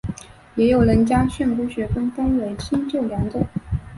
也有人将训诂学分为新旧两种。